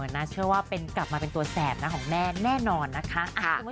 น่าเชื่อว่ากลับมาเป็นตัวแสบนะของแม่แน่นอนนะคะ